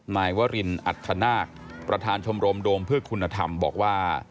นายวรินอัธนาคประธานชมรมโดมเพื่อคุณธรรมบอกว่า